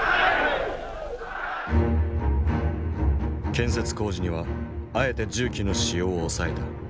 建設工事にはあえて重機の使用を抑えた。